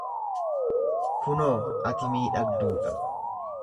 Kunoo ati miidhagduu dha.